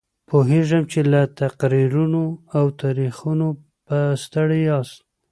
پوهېږم چې له تقریرونو او تاریخونو به ستړي یاست.